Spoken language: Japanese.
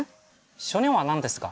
小人は何ですか？